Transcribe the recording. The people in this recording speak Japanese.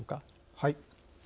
はい。